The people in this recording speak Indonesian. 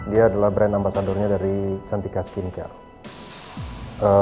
dia adalah brand ambasadornya dari cantika skincare